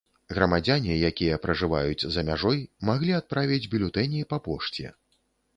Грамадзяне, якія пражываюць за мяжой, маглі адправіць бюлетэні па пошце.